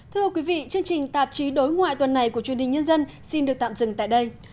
thưa quý vị chương trình tạp chí đối ngoại tuần này của truyền hình nhân dân xin được tạm dừng tại đây